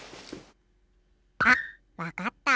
あっわかった。